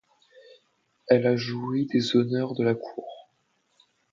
Elle a joui des Honneurs de la Cour.